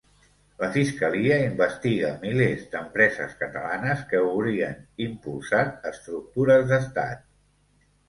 "La fiscalia investiga milers d'empreses catalanes que haurien impulsat estructures d'estat"